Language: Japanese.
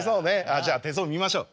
じゃあ手相見ましょう。